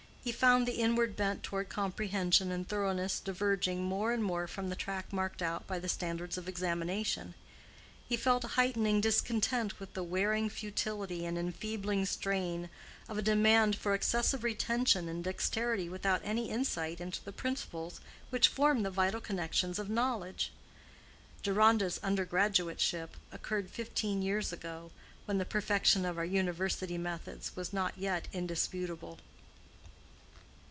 He found the inward bent toward comprehension and thoroughness diverging more and more from the track marked out by the standards of examination: he felt a heightening discontent with the wearing futility and enfeebling strain of a demand for excessive retention and dexterity without any insight into the principles which form the vital connections of knowledge. (Deronda's undergraduateship occurred fifteen years ago, when the perfection of our university methods was not yet indisputable.)